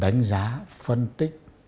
đánh giá phân tích